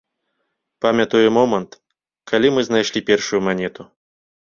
Памятаю момант, калі мы знайшлі першую манету.